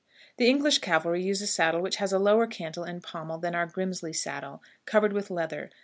The English cavalry use a saddle which has a lower cantle and pommel than our Grimsley saddle, covered with leather.